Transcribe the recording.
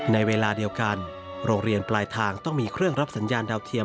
ในเวลาเดียวกันโรงเรียนปลายทางต้องมีเครื่องรับสัญญาณดาวเทียม